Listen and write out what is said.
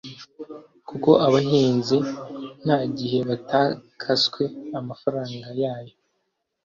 kuko abahinzi nta gihe batakaswe amafaranga yayo